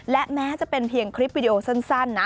และแม้จะเป็นเพียงคลิปวิดีโอสั้นนะ